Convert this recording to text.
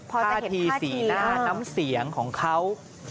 พอจะเห็นข้าเทียงพอจะเห็นข้าเทียงพอจะเห็นสีหน้าน้ำเสียงของเขา